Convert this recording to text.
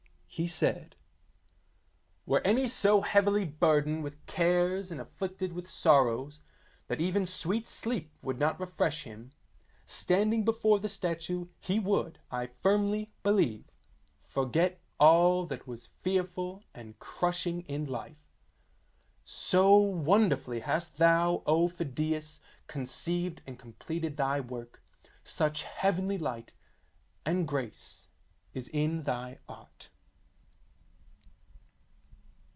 He said: Were any so heavily burdened with cares and af flicted with sorrows that even sweet sleep would not refresh him, standing before the statue, he would, I firmly believe, forget all that was fearful and crushing in life, so wonderfully, hast thou, O Phidias, conceived and completed thy work, such heavenly light and grace is in thy art.